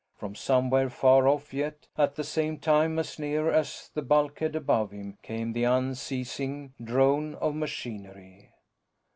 From somewhere, far off yet at the same time as near as the bulkhead above him, came the unceasing drone of machinery.